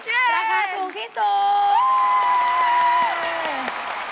ราคาสูงที่สูง